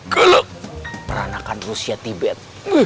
geluk peranakan rusia tibet